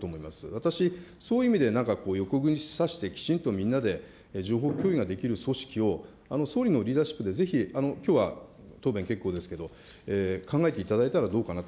私、そういう意味で、なんか横串さして、きちんとみんなで情報共有ができる組織を、総理のリーダーシップでぜひ、きょうは答弁結構ですけど、考えていただいたらどうかなと。